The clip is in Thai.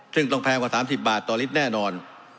ซึ่งต้องแพงกว่า๓๐บาทต่อลิตรแน่นอน